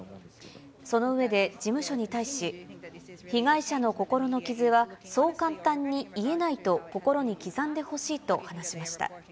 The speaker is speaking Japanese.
その上で事務所に対し、被害者の心の傷はそう簡単に癒えないと心に刻んでほしいと話しました。